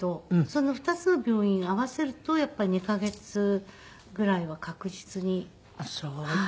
その２つの病院合わせるとやっぱり２カ月ぐらいは確実に病院にいましたね。